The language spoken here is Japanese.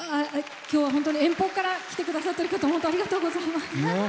今日は、本当に遠方から来てくださっている方ありがとうございます。